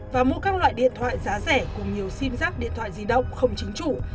và mua các loại điện thoại giá rẻ cùng nhiều sim giác điện thoại di động không chính chủ